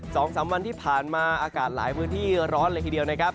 สองสามวันที่ผ่านมาอากาศหลายพื้นที่ร้อนเลยทีเดียวนะครับ